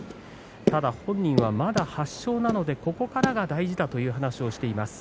ただ本人はまだ８勝なのでここからが大事ですという話をしています。